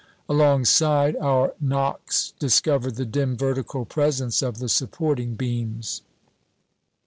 Alongside, our knocks discover the dim vertical presence of the supporting beams.